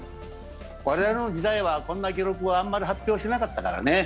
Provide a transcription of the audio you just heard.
我々の時代はこんな記録はあんまり発表しなかったからね。